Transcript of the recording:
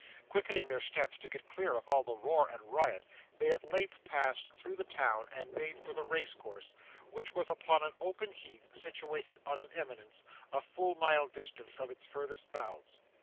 Quickening their steps to get clear of all the roar and riot, they at length passed through the town and made for the race course, which was upon an open heath, situated on an eminence, a full mile distant from its furthest bounds.